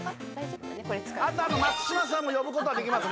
あと松島さんも呼ぶことはできますね